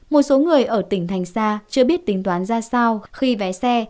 một số người ở tỉnh thành xa chưa biết tính toán ra sao khi vé xe